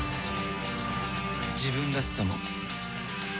自分らしさも